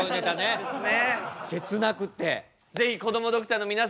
そうですね。